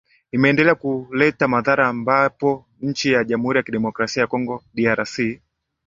imendelea kuleta madhara ambapo nchi ya jamhuri ya kidemokrasia ya congo drc